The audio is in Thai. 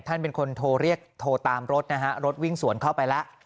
ท่านเป็นคนโทรเรียกโทรตามรถนะฮะรถวิ่งสวนเข้าไปแล้ว